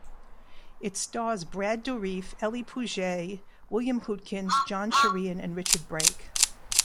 It stars Brad Dourif, Ely Pouget, William Hootkins, John Sharian, and Richard Brake.